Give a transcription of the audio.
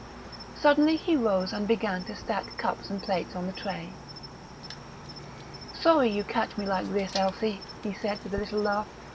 Suddenly he rose and began to stack cups and plates on the tray. "Sorry you catch me like this, Elsie," he said, with a little laugh....